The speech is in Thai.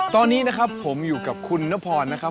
ตอนนี้นะครับผมอยู่กับคุณนพรนะครับ